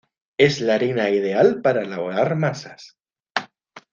Es la harina ideal para elaborar masas.